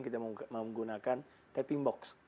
kita menggunakan taping box